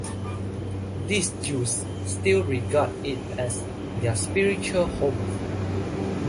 These Jews still regard it as their spiritual home.